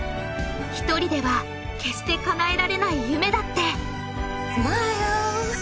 一人では決してかなえられない夢だってスマイル